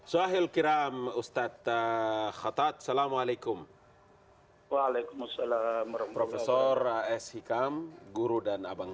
suahil kiram ustadz khattad assalamualaikum waalaikumsalam profesor s hikam guru dan abang